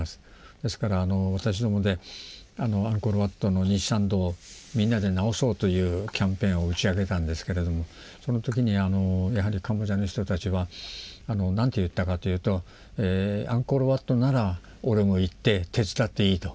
ですから私どもでアンコール・ワットの西参道をみんなで直そうというキャンペーンを打ち上げたんですけれどもその時にあのやはりカンボジアの人たちは何て言ったかというと「アンコール・ワットなら俺も行って手伝っていい」と。